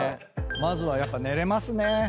まずはやっぱ寝れますね。